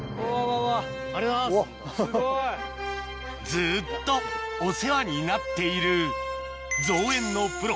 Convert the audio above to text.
ずっとお世話になっている造園のプロ